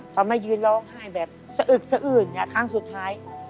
เขามายืนร้องไห้แบบสะอึกสะอื้นครั้งสุดท้าย